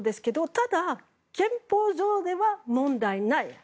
ただ、憲法上では問題ない。